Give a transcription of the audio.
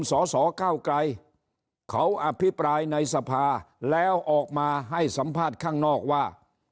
สสเก้าไกรเขาอภิปรายในสภาแล้วออกมาให้สัมภาษณ์ข้างนอกว่า